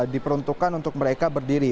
diperuntukkan untuk mereka berdiri